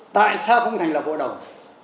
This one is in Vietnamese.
tại sao không thành lập bộ đồng